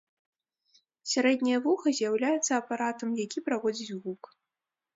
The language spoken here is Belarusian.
Сярэдняе вуха з'яўляецца апаратам, які праводзіць гук.